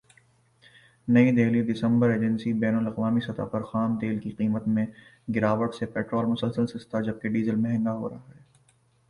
نئی دہلی دسمبرایجنسی بین الاقوامی سطح پر خام تیل کی قیمت میں گراوٹ سے پٹرول مسلسل سستا جبکہ ڈیزل مہنگا ہو رہا ہے